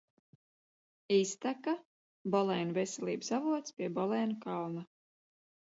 Izteka – Bolēnu Veselības avots pie Bolēnu kalna.